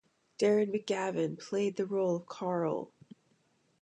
Darren McGavin played the role of Carl.